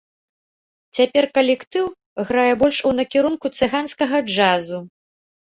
Цяпер калектыў грае больш у накірунку цыганскага джазу.